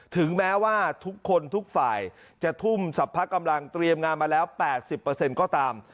ถึงแม้ว่าทุกคนทุกฝ่ายจะทุ่มสรรพกำลังเตรียมงานมาแล้ว๘๐ก็ตาม